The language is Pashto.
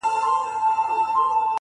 جهاني اوس دي په ژبه پوه سوم؛